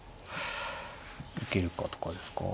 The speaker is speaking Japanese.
受けるかとかですか。